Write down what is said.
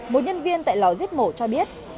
một nhân viên tại lò giết mổ cho biết